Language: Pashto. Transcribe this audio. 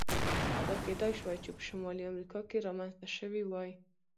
دا کېدای شوای چې په شمالي امریکا کې رامنځته شوی وای.